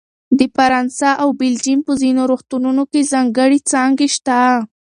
د فرانسه او بلجیم په ځینو روغتونونو کې ځانګړې څانګې شته.